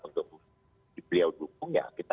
untuk beliau dukung ya kita